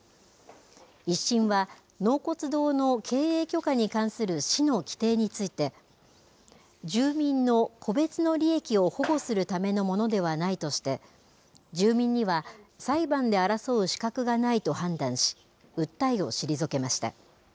１審は納骨堂の経営許可に関する市の規定について、住民の個別の利益を保護するためのものではないとして、住民には裁判で争う資格がないと判断し、訴えを退けました。